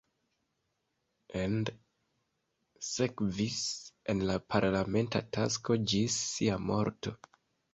And sekvis en la parlamenta tasko ĝis sia morto.